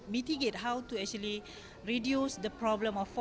bagaimana manajer bisa membantu